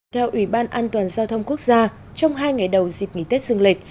theo ủy ban an toàn giao thông quốc gia trong hai ngày đầu dịp nghỉ tết dương lịch